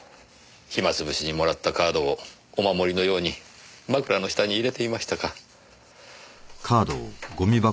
暇つぶしにもらったカードをお守りのように枕の下に入れていましたか。